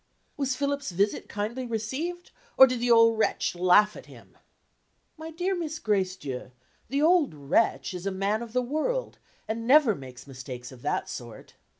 "Was Philip's visit kindly received? Or did the old wretch laugh at him?" "My dear Miss Gracedieu, the old wretch is a man of the world, and never makes mistakes of that sort.